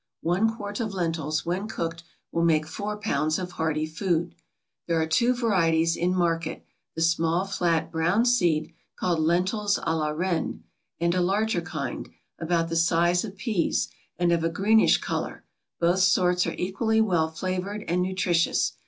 One quart of lentils when cooked will make four pounds of hearty food. There are two varieties in market; the small flat brown seed, called lentils à la reine; and a larger kind, about the size of peas, and of a greenish color; both sorts are equally well flavored and nutritious.